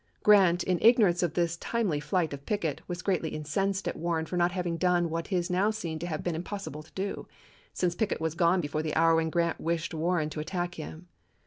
Grant, in ignorance of this timely flight of Pickett, was greatly incensed at Warren for not having done what is now seen to have been impossible to do, since Pickett was gone before the hour when Grant wished Warren to attack him.